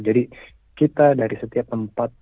jadi kita dari setiap empat